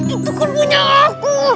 itu kan punya aku